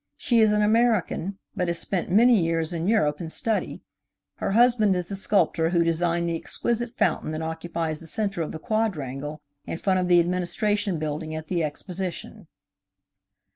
She is an American, but has spent many years in Europe in study. Her husband is the sculptor who designed the exquisite fountain that occupies the center of the quadrangle in front of the Administration Building at the Exposition.